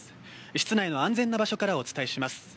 室内の安全な場所からお伝えします。